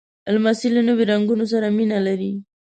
لمسی له نوي رنګونو سره مینه لري.